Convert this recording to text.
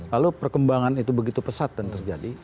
lalu perkembangan itu begitu pesat dan terjadi